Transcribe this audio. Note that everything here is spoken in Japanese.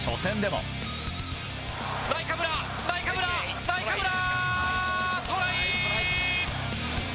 ナイカブラ、ナイカブラ、ナイカブラ！